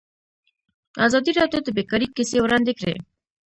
ازادي راډیو د بیکاري کیسې وړاندې کړي.